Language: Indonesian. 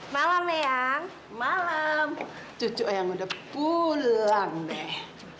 malam leang malam cucu yang udah pulang deh